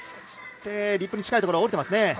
そしてリップに近いところ降りていますね。